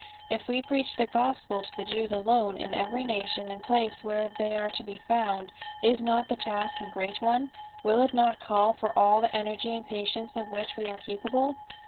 If we preach the gospel to the Jews alone, in every nation and place where they are to be found, is not the task a great one ? Will it not call for all the energy and patience of which we are capable